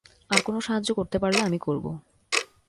আর কোনো সাহায্য করতে পারলে, আমি করবো।